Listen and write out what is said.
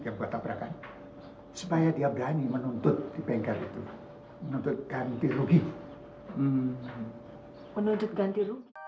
yang buat tabrakan supaya dia berani menuntut di bengkel itu menuntut ganti rugi menuntut ganti rugi